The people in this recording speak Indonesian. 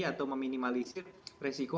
atau meminimalisir resiko